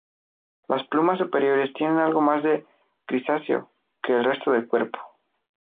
Las plumas superiores tienen algo más de grisáceo que el resto del cuerpo.